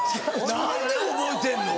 何で覚えてんの？